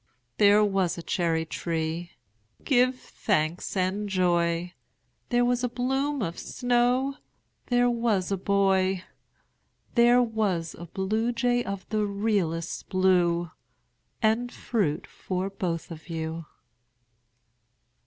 There was a cherry tree, give thanks and joy! There was a bloom of snow There was a boy There was a bluejay of the realest blue And fruit for both of you.